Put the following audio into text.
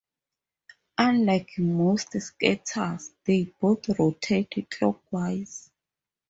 Unlike most skaters, they both rotate clockwise.